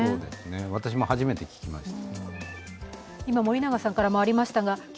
私も初めて聞きました。